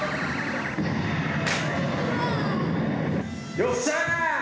よっしゃー！